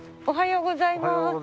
おはようございます。